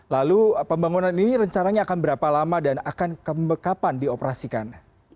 lalu pembangunan ini rencananya akan berapa lama dan akan kapan dioperasikan